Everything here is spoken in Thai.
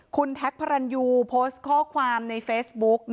อันนี้คุณพรนยูผสกข้อความในเฟซบุค